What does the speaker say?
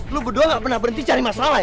lo berdua gak pernah berhenti cari masalah ya